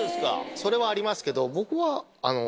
それはありますけど。